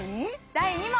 第２問！